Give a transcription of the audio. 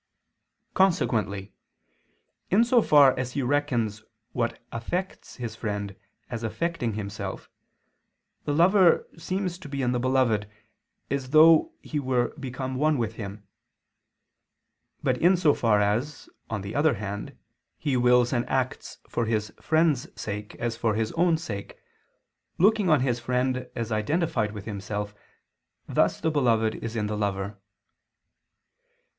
Consequently in so far as he reckons what affects his friend as affecting himself, the lover seems to be in the beloved, as though he were become one with him: but in so far as, on the other hand, he wills and acts for his friend's sake as for his own sake, looking on his friend as identified with himself, thus the beloved is in the lover.